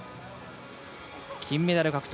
金メダル、獲得。